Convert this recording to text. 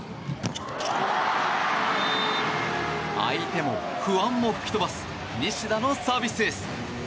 相手も不安も吹き飛ばす西田のサービスエース。